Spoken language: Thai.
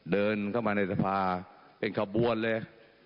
เดินเข้ามาในสภาเป็นขบวนเลย